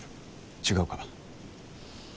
違うか？